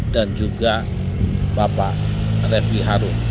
dan juga bapak refli harun